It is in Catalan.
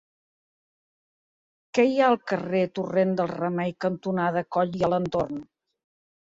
Què hi ha al carrer Torrent del Remei cantonada Coll i Alentorn?